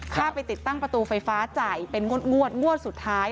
ค่าไปติดตั้งประตูไฟฟ้าจ่ายเป็นงวดงวดสุดท้าย